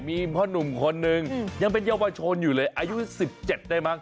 มีพ่อหนุ่มคนนึงยังเป็นเยาวชนอยู่เลยอายุ๑๗ได้มั้